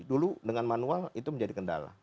dulu dengan manual itu menjadi kendala